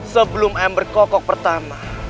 sebelum amber kokok pertama